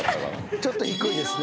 「ちょっと低いですね」